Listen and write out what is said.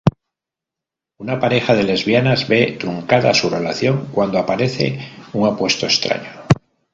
Una pareja de lesbianas ve truncada su relación cuando aparece un apuesto extraño.